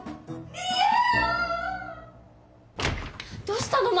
どうしたの？